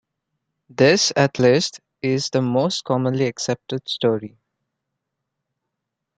This, at least, is the most commonly accepted story.